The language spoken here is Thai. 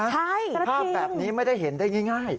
ใช่กระทิงภาพแบบนี้ไม่ได้เห็นได้ง่าย